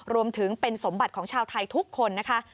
รวมถึงเป็นสมบัติของชาวไทยทุกคนนะคะ